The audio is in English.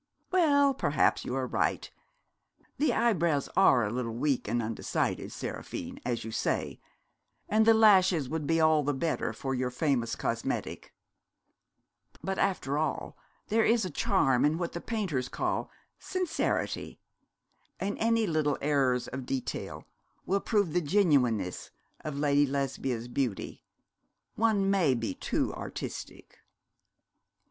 'Well, perhaps you are right. The eyebrows are a little weak and undecided, Seraphine, as you say, and the lashes would be all the better for your famous cosmetic; but after all there is a charm in what the painters call "sincerity," and any little errors of detail will prove the genuineness of Lady Lesbia's beauty. One may be too artistic.'